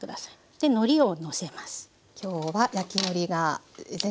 でのりをのせます。